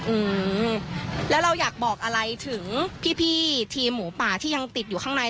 อืมแล้วเราอยากบอกอะไรถึงพี่พี่ทีมหมูป่าที่ยังติดอยู่ข้างใน